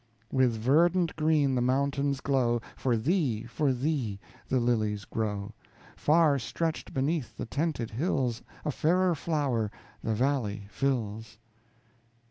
With verdant green the mountains glow, For thee, for thee, the lilies grow; Far stretched beneath the tented hills, A fairer flower the valley fills.